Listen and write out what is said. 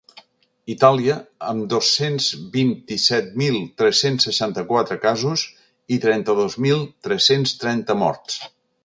Itàlia, amb dos-cents vint-i-set mil tres-cents seixanta-quatre casos i trenta-dos mil tres-cents trenta morts.